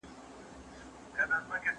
سرو کرویات د بدن لپاره حیاتي دي.